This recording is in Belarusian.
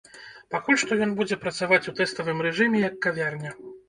Пакуль што ён будзе працаваць у тэставым рэжыме як кавярня.